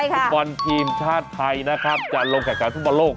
ฟุตบอลทีมชาติไทยนะครับจะลงแข่งขันฟุตบอลโลก